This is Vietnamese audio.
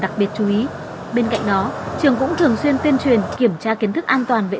đặc biệt chú ý bên cạnh đó trường cũng thường xuyên tuyên truyền kiểm tra kiến thức an toàn vệ